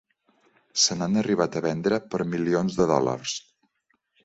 Se n'han arribat a vendre per milions de dòlars.